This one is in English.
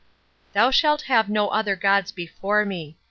" Thou shalt have no other gods before me."